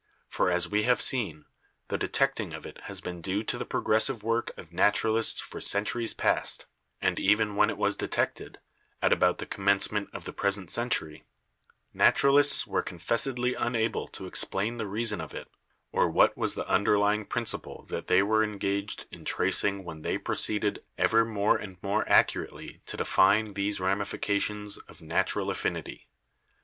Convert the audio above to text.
For, as we have seen, the detecting of it has been due to the progressive work of naturalists for centuries past, and even when it was detected, at about the commencement of the present century, naturalists were confessedly unable to explain the reason of it or what was the underlying 168 BIOLOGY principle that they were engaged in tracing when they proceeded ever more and more accurately to define these ramifications of natural affinity.